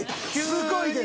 すごいです。